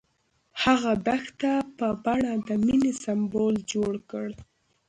هغه د دښته په بڼه د مینې سمبول جوړ کړ.